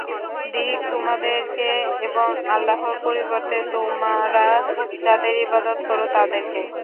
ধিক্ তোমাদেরকে এবং আল্লাহর পরিবর্তে তোমরা যাদের ইবাদত কর তাদেরকে।